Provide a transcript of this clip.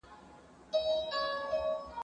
زه به سبا قلم استعمالوموم وم؟